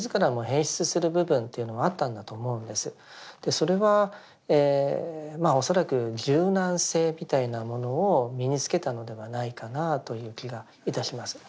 それはまあ恐らく柔軟性みたいなものを身につけたのではないかなという気がいたします。